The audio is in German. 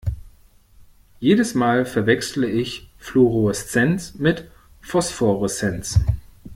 Jedes Mal verwechsle ich Fluoreszenz mit Phosphoreszenz.